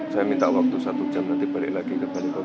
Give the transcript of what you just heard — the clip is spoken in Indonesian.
saya minta waktu satu jam nanti balik lagi ke banyuwangi